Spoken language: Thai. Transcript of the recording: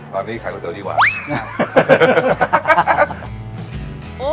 ตอนนี้ใครก็เจอก่อน